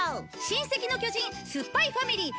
「親戚の巨人」「スッパイファミリー」